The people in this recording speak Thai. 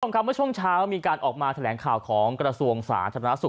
ต้องคำว่าช่วงเช้ามีการออกมาแถลงข่าวของกระทรวงศาสนาสุก